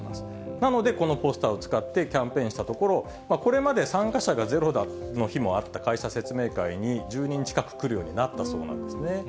なので、このポスターを使ってキャンペーンしたところ、これまで参加者がゼロの日もあった会社説明会に１０人近く来るようになったそうなんですね。